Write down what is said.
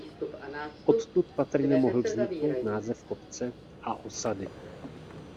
Odtud patrně mohl vzniknout název kopce a osady.